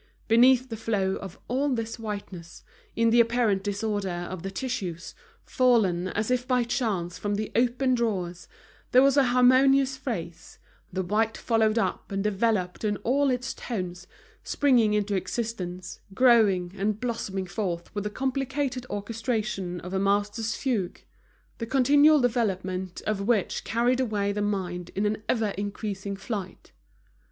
Beneath the flow of all this whiteness, in the apparent disorder of the tissues, fallen as if by chance from the open drawers, there was a harmonious phrase, the white followed up and developed in all its tones, springing into existence, growing, and blossoming forth with the complicated orchestration of a master's fugue, the continual development of which carries away the mind in an ever increasing flight.